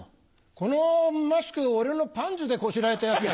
このマスク俺のパンツでこしらえたやつだよ。